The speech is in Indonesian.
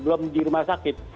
belum di rumah sakit